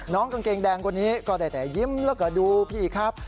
กางเกงแดงคนนี้ก็ได้แต่ยิ้มแล้วก็ดูพี่ครับ